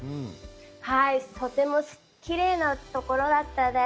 とてもきれいなところだったです。